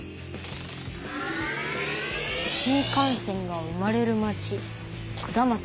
「新幹線が生まれる街下松」。